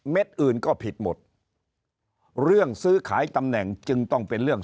อื่นก็ผิดหมดเรื่องซื้อขายตำแหน่งจึงต้องเป็นเรื่อง